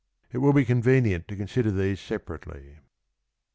it will be con venient to consider these separately.